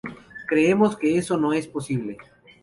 Creemos que eso no es posible.